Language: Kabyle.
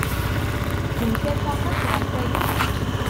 Nemtafaq akk ɣef waya.